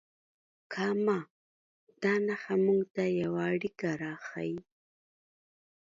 کامه دا نښه موږ ته یوه اړیکه راښیي.